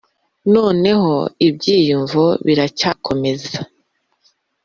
noneho ibyiyumvo biracyakomeza